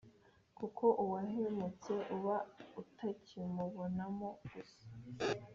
kuko uwahemutse uba utakimubonamo gusa